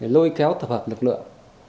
lôi kéo thập hợp lực lượng